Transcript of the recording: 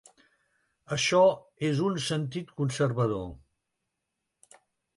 Això és un sentit conservador.